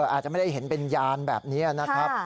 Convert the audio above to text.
อาจจะไม่ได้เห็นเป็นยานแบบนี้นะครับ